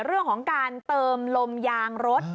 เรื่องของการเติมลมยางรถ